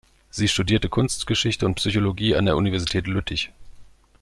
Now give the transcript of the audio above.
Sie studierte Kunstgeschichte und Psychologie an der Universität Lüttich.